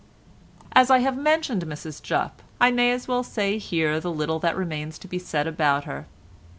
As I have mentioned Mrs Jupp, I may as well say here the little that remains to be said about her.